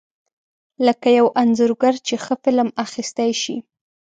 لکه یو انځورګر چې ښه فلم اخیستی شي.